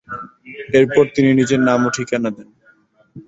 এরপর তিনি নিজের নাম ও ঠিকানা দেন।